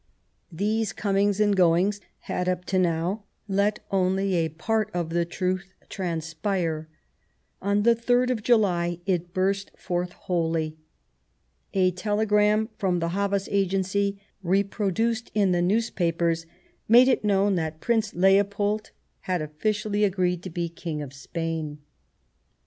These comings and goings had, up to now, let only a part of the truth transpire ; on the 3rd of July it burst forth wholly, A telegram from the Havas Agency, reproduced in the newspapers, made it known that Prince Leopold had officially agreed to be King of Spain.